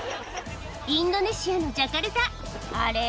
インドネシアのジャカルタあれ？